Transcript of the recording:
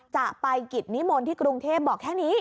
จะไปกิจนิมนต์ที่กรุงเทพบอกแค่นี้